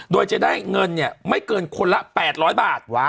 โดยจะได้เงินเนี่ยไม่เกินคนละ๘๐๐บาท